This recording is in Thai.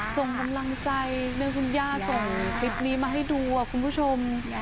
ส่งกำลังใจเรื่องคุณย่าส่งคลิปนี้มาให้ดูคุณผู้ชม